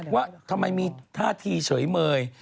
ว่าทำไมมีท่าทีเฉยเมย